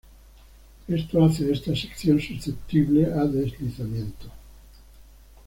Esto hace a esta sección susceptible a deslizamientos.